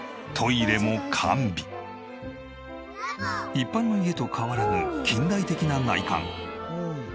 一般の家と変わらぬ近代的な内観。